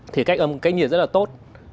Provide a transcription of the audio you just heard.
thì cách âm cách nhiệt rất là tốt